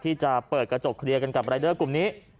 ที่จะเปิดกระจกเคลียร์กันกับรายเดอร์กลุ่มนี้